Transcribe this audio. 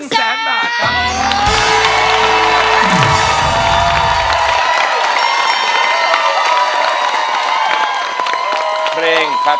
๑แสนบาท